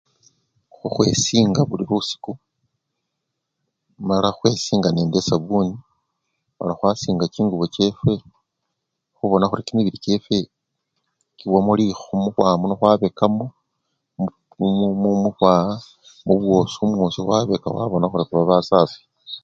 Khukhwisinga buli lusiku mala khwesinga nende esabuni, mala khwasinga chingubo chefwe khubona khuri kimibili kyefwe kiwamo likho, mukhwawa muno khwabekamo momu mukhwawa mubwoso mwosi khwabekamo khubona khuri khuba basafii